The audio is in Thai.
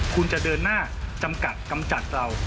คุณจะเดินหน้าจำกัดกำจัดเรา